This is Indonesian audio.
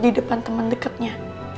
di depan teman deketnya